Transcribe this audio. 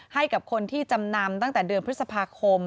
ให้กับคนที่จำนำตั้งแต่เดือนพฤษภาคม